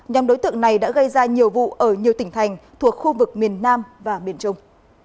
nhóm đối tượng này đã gây ra nhiều vụ ở nhiều tỉnh thành thuộc khu vực miền nam và miền trung